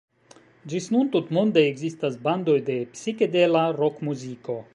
Ĝis nun tutmonde ekzistas bandoj de psikedela rokmuziko.